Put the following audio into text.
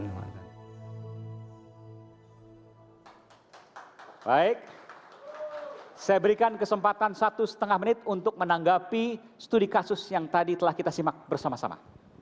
baik saya berikan kesempatan satu setengah menit untuk menanggapi studi kasus yang tadi telah kita simak bersama sama